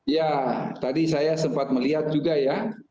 ya tadi saya sempat melihat juga ya